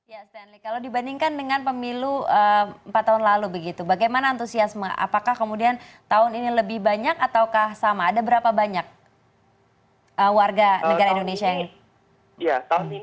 ya stanley kalau dibandingkan dengan pemilu empat tahun lalu begitu bagaimana antusiasme apakah kemudian tahun ini lebih banyak ataukah sama ada berapa banyak warga negara indonesia yang